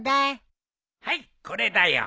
はいこれだよ。